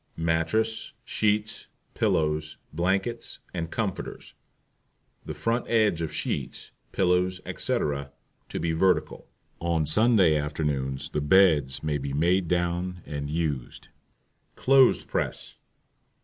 MATTRESS, SHEETS, PILLOWS, BLANKETS, and COMFORTERS, the front edge of sheets, pillows, etc., to be vertical. On Sunday afternoons the BEDS may be made down and used. CLOTHES PRESS.